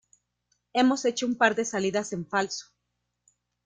Hemos hecho un par de salidas en falso".